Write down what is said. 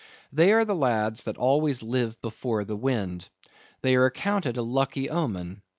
They are the lads that always live before the wind. They are accounted a lucky omen.